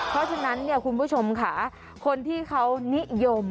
เพราะฉะนั้นคุณผู้ชมคนที่เขานิยม